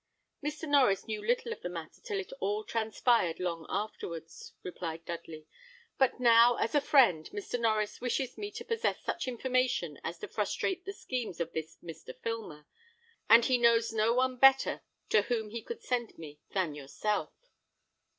"Mr. Norries knew little of the matter till it all transpired long afterwards," replied Dudley; "but now, as a friend, Mr. Norries wishes me to possess such information as to frustrate the schemes of this Mr. Filmer, and he know no one better to whom he could send me than yourself."